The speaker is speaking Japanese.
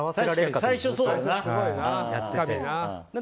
確かに最初そうだったな。